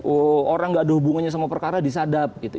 orang yang nggak ada hubungannya sama perkara disadap gitu